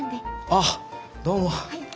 あどうも。